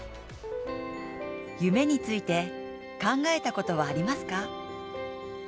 夢について考えたことはありますか？